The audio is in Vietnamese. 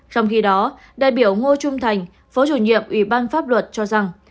trong khi đó đại biểu ngô trung thành phó chủ nhiệm ủy ban pháp luật cho rằng